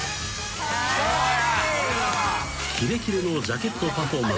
［キレキレのジャケットパフォーマンス